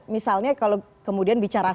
misalnya kalau kemudian bicara